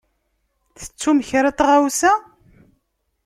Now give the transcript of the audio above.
Tettum kra n tɣawsa?